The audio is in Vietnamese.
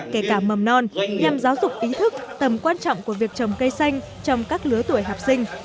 kể cả mầm non nhằm giáo dục ý thức tầm quan trọng của việc trồng cây xanh trong các lứa tuổi học sinh